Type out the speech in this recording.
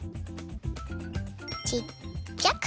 ちっちゃく！